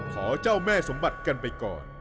ขอเจ้าแม่สมบัติกันไปก่อน